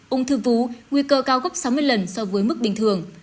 ung thư vú nguy cơ cao gấp sáu mươi lần so với mức bình thường